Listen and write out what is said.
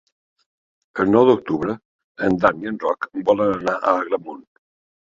El nou d'octubre en Dan i en Roc volen anar a Agramunt.